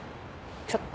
ちょっと。